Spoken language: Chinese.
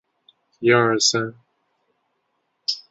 她首次在美国萤光幕亮相是在的系列剧。